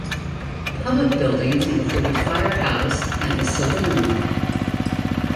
Public buildings include a fire house and a saloon.